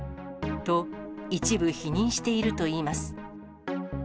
と、一部否認しているといいます。